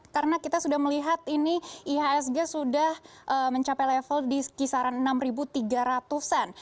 karena kita sudah melihat ini ihsg sudah mencapai level di kisaran enam tiga ratus an